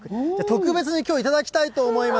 特別にきょう、頂きたいと思います。